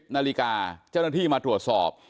นาฬิกาเจ้าหน้าที่มาตรวจสอบ